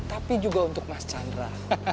tapi juga untuk mas chandra